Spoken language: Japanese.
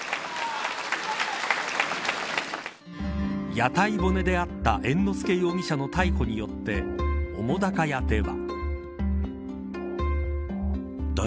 屋台骨であった猿之助容疑者の逮捕によって澤瀉屋では。